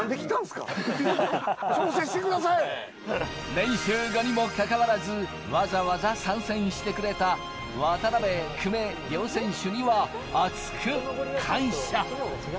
練習後にも関わらず、わざわざ参戦してくれた渡邉、久米の両選手には厚く感謝！